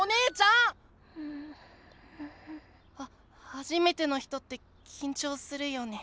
はじめての人ってきんちょうするよね。